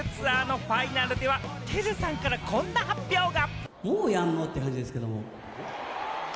そしてこのホールツアーのファイナルでは、ＴＥＲＵさんからこんな発表が。